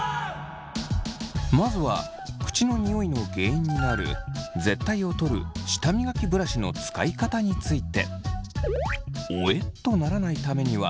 まずは口のニオイの原因になる舌苔を取る舌磨きブラシの使い方について。